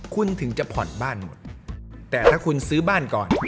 คุณถึงจะผ่อนบ้านหมดแต่ถ้าคุณซื้อบ้านก่อน